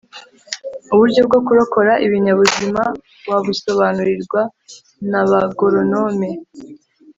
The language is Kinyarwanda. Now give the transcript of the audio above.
uburyo bwo korora ibinyabuzima wabusobanurirwa naba goronome